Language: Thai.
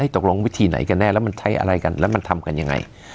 ตกลงวิธีไหนกันแน่แล้วมันใช้อะไรกันแล้วมันทำกันยังไง